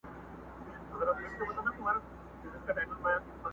ما لېمه درته فرش کړي ما مي سترګي وې کرلي٫